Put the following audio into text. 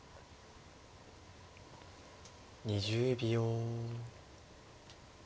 ２０秒。